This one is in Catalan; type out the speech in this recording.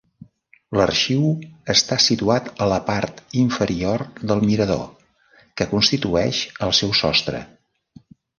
L'Arxiu està situat a la part inferior del mirador, que constitueix el seu sostre.